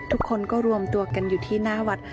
ทุกคนก็รวมตัวกันอยู่ที่หน้าวัด